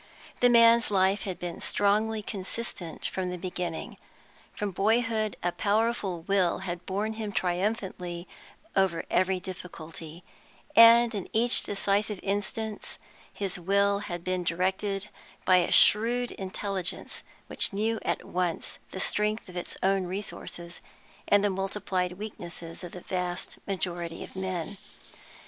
The man s life had been strongly consistent from the beginning; from boyhood a powerful will had borne him triumphantly over every difficulty, and in each decisive instance his will had been directed by a shrewd intelligence which knew at once the strength of its own resources and the multiplied weaknesses of the vast majority of men.